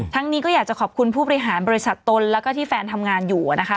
นี้ก็อยากจะขอบคุณผู้บริหารบริษัทตนแล้วก็ที่แฟนทำงานอยู่นะคะ